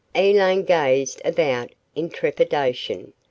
Elaine gazed about in trepidation.